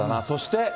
そして。